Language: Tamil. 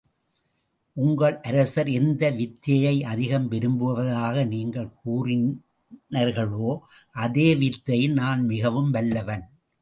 உங்கள் அரசர் எந்த வித்தையை அதிகம் விரும்புவதாக நீங்கள் கூறினர்களோ, அதே வித்தையில் நான் மிகவும் வல்லவன்.